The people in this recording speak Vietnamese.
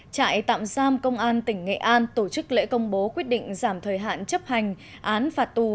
trại tạm giam công an tỉnh nghệ an tổ chức lễ công bố quyết định giảm thời hạn chấp hành án phạt tù